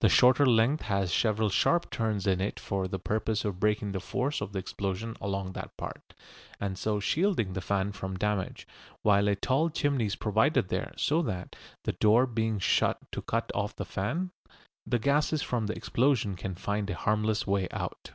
The shorter length has several sharp turns in it for the purpose of breaking the force of the explosion along that part, and so shielding the fan from damage, while a tall chimney is provided there, so that, the door being shut to cut off the fan, the gases from the explosion can find a harmless way out.